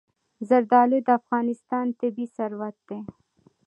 زردالو د افغانستان طبعي ثروت دی.